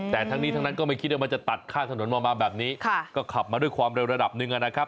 แต่ทั้งนี้ทั้งนั้นก็ไม่คิดว่ามันจะตัดข้างถนนมาแบบนี้ก็ขับมาด้วยความเร็วระดับหนึ่งนะครับ